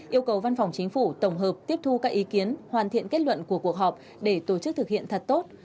yêu cầu văn phòng chính phủ tổng hợp tiếp thu các ý kiến hoàn thiện kết luận của cuộc họp để tổ chức thực hiện thật tốt